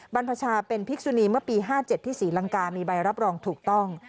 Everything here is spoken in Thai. บรรพชาเป็นพิกษุนีเมื่อปี๕๗ที่ศรีลังกามีใบรับรองถูกต้อง